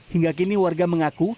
hingga kini warga mengaku